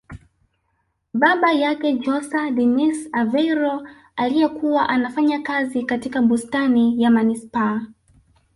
Baba yake JosÃ Dinis Aveiro aliye kuwa anafanya kazi katika bustani ya manispaa